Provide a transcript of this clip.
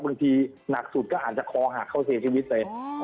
บางทีหนักสุดก็อาจจะคอหักเขาเสียชีวิตเลย